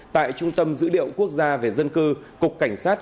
tại trung tâm dữ liệu quốc gia về dân cư cục cảnh sát